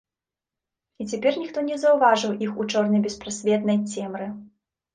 І цяпер ніхто не заўважыў іх у чорнай беспрасветнай цемры.